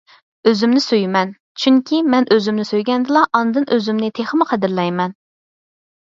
ئۆزۈمنى سۆيىمەن، چۈنكى مەن ئۆزۈمنى سۆيگەندىلا ئاندىن ئۆزۈمنى تېخىمۇ قەدىرلەيمەن.